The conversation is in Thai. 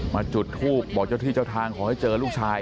จุดทูปบอกเจ้าที่เจ้าทางขอให้เจอลูกชาย